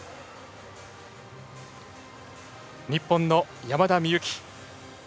日本の山田美幸。